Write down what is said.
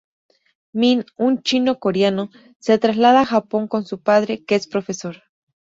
Min, un chico coreano, se traslada a Japón con su padre, que es profesor.